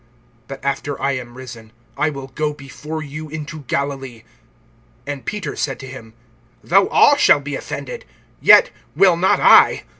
(28)But after I am risen, I will go before you into Galilee. (29)And Peter said to him: Though all shall be offended, yet will not I.